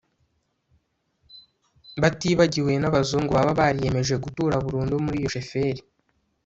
batibagiwe n'abazungu baba bariyemeje gutura burundu muri yo sheferi